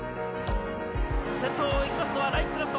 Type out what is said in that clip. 先頭をいきますのはラインクラフト。